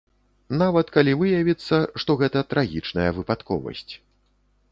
Нават калі выявіцца, што гэта трагічная выпадковасць.